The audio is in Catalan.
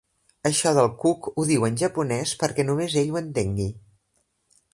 Això del cuc ho diu en japonès, perquè només ell ho entengui.